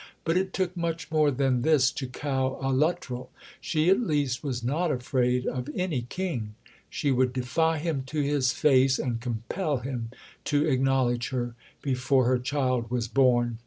But it took much more than this to cow a Luttrell. She at least was not afraid of any king. She would defy him to his face, and compel him to acknowledge her before her child was born.